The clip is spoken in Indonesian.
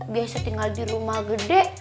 biasa tinggal di rumah gede